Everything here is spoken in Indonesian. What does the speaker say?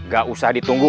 gak usah ditunggu